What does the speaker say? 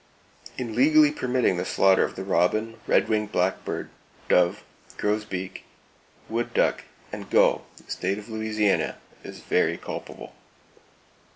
In legally permitting the slaughter of the robin, red winged blackbird, dove, grosbeak, wood duck and gull the state of Louisiana is very culpable.